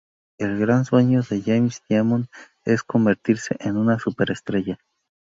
El gran sueño de James Diamond es convertirse en una super estrella.